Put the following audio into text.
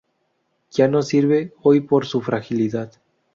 Ya no sirve hoy por su fragilidad.